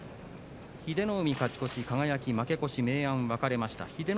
英乃海、勝ち越し輝、負け越しで明暗分かれました。